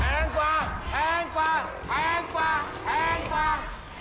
แพงกว่าแพงกว่าแพงกว่าแพงกว่า